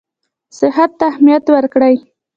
صحت ته اهمیت ورکړي.